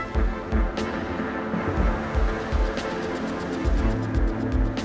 ทุกคนพร้อมแล้วขอเสียงปลุ่มมือต้อนรับ๑๒สาวงามในชุดราตรีได้เลยค่ะ